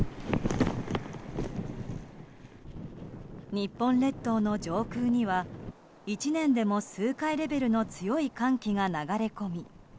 日本列島の上空には１年でも数回レベルの強い寒気が流れ込み